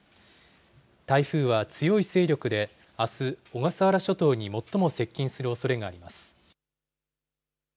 台風は強い勢力であす、小笠原諸島に最も接近するおそれがあります。